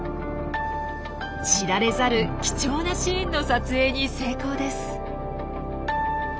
知られざる貴重なシーンの撮影に成功です。